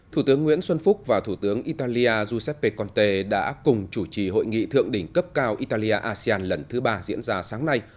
thủ tướng nguyễn xuân phúc và thủ tướng italia giuseppe conte đã cùng chủ trì hội nghị thượng đỉnh cấp cao italia asean lần thứ ba diễn ra sáng nay